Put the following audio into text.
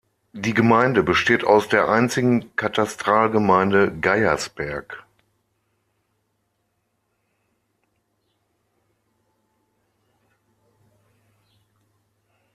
Die Gemeinde besteht aus der einzigen Katastralgemeinde Geiersberg.